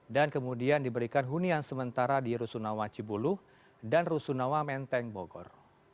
dan kemudian diberikan hunian sementara di rusunawa cibulu dan rusunawa menteng bogor